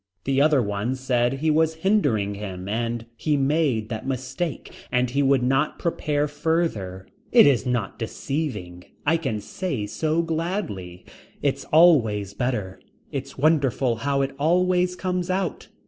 The other one said he was hindering him and he made that mistake and he would not prepare further. It is not deceiving. I can say so gladly. It's always better. It's wonderful how it always comes out.